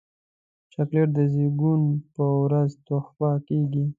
چاکلېټ د زیږون پر ورځ تحفه کېږي.